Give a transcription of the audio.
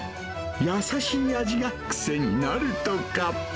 優しい味が癖になるとか。